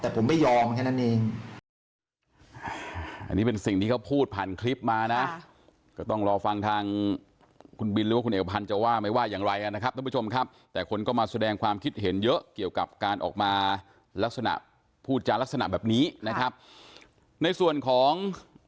ผมไม่เก่งอะไรหรอกแต่ผมไม่ยอมแค่นั้นเอง